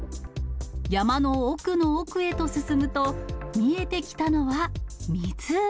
山の奥の奥へと進むと、見えてきたのは湖。